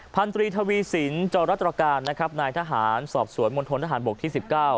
พันธุรีทวีสินจรัตรการนะครับนายทหารสอบสวนมณฑนทหารบกที่๑๙